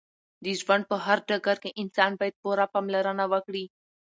د ژوند په هر ډګر کې انسان باید پوره پاملرنه وکړې